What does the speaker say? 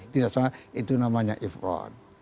tidak sama sama itu namanya ifron